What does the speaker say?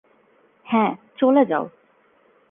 হ্যাঁ, চলে যাও।